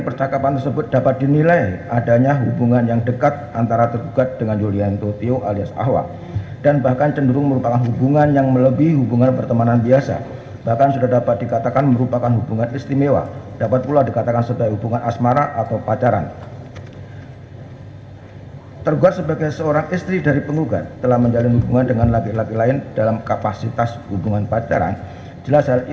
pertama penggugat akan menerjakan waktu yang cukup untuk menerjakan si anak anak tersebut yang telah menjadi ilustrasi